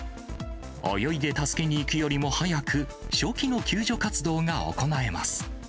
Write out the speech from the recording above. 泳いで助けに行くよりも早く、初期の救助活動が行えます。